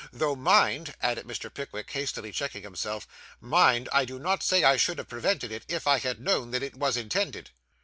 Though, mind,' added Mr. Pickwick, hastily checking himself 'mind, I do not say I should have prevented it, if I had known that it was intended.